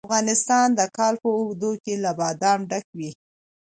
افغانستان د کال په اوږدو کې له بادام ډک وي.